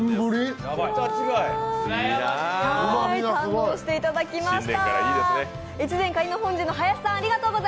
堪能していただきました。